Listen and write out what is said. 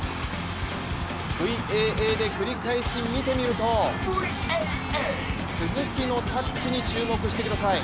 ＶＡＡで繰り返し見てみると鈴木のタッチに注目してみてください。